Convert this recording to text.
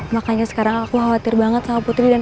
makanya sekarang aku khawatir banget sama putri dan